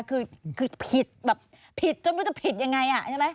คือผิดแบบผิดจนไม่รู้จะผิดยังไงอ่ะใช่ไหม